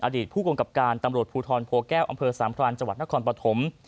อดีตผู้กำกับการตำรวจภูทรโพแก้วอำเภอสามพรานจังหวัดนครปฐม